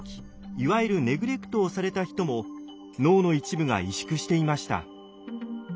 いわゆるネグレクトをされた人も脳の一部が萎縮していました。